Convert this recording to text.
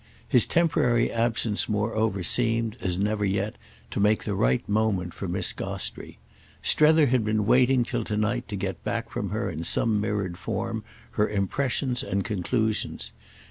His temporary absence moreover seemed, as never yet, to make the right moment for Miss Gostrey. Strether had been waiting till tonight to get back from her in some mirrored form her impressions and conclusions.